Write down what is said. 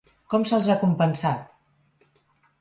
Com se'ls ha compensat?